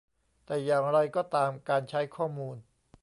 แต่อย่างไรก็ตามการใช้ข้อมูล